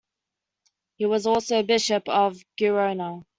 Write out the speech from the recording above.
He was also bishop of Girona.